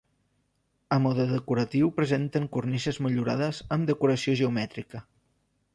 A mode decoratiu presenten cornises motllurades amb decoració geomètrica.